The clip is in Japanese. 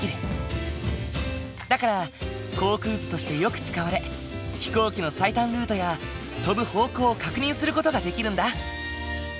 だから航空図としてよく使われ飛行機の最短ルートや飛ぶ方向を確認する事ができるんだ。